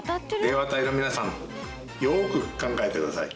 出川隊の皆さんよく考えてください！